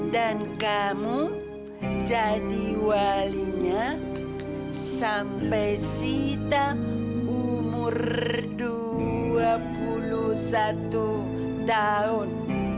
kamu jadi walinya sampai sita umur dua puluh satu tahun